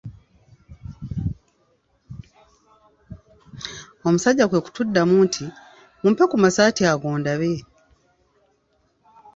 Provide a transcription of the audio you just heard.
Omusajja kwe kutuddamu nti "mumpe ku masaati ago ndabe."